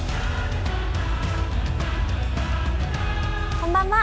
こんばんは。